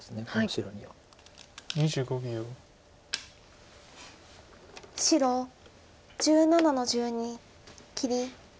白１７の十二切り。